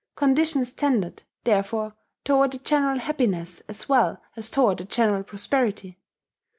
Conditions tended, therefore, toward the general happiness as well as toward the general prosperity.